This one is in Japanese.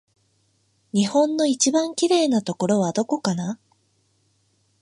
日本の一番きれいなところはどこかな